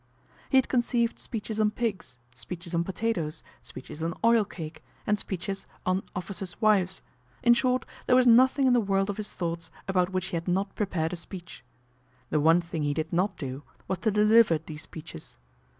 He had conceived speeches on pigs, speeches on potatoes, speeches on oil cake, and speeches on officers' wives ; in short, there was nothing in the world of his thoughts about which he had not prepared a speech. The one thing he did not do was to deliver these speeches.